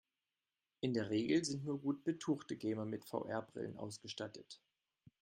In der Regel sind nur gut betuchte Gamer mit VR-Brillen ausgestattet.